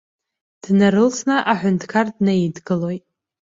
Днарылсны аҳәынҭқар днаидгылоит.